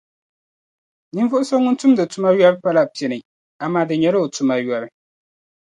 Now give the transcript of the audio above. Ninvuɣ’ so ŋun tumdi tuma yɔri pala pini, amaa di nyɛla o tuma yɔri.